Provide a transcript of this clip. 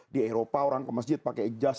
di eropa orang ke masjid pakai jas